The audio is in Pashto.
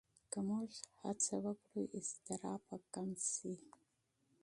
که موږ هڅه وکړو، اضطراب به کم شي.